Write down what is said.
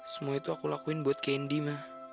semua itu aku lakuin buat kendi mah